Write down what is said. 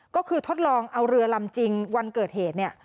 ก็คือทดลองเอาเรือลำจริงวันเกิดเหตุเนี่ย